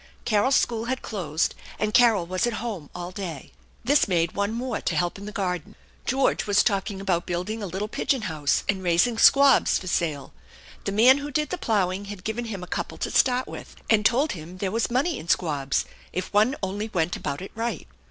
Carol's school had closed and Carol was at home all day. This made one more to help in the garden. George was talking about building a little pigeon house and raising squabs for sale. The man who did the ploughing had given him a couple to start with and told him there was money in squabs if one only went about it right.